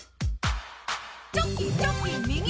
チョキチョキ右右。